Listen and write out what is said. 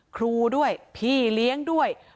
ครูด้วยพี่เลี้ยงด้วย